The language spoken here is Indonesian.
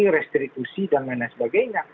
restitusi dan lain lain sebagainya